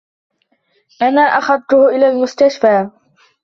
أنا أخذتهُ إلي المستشفي.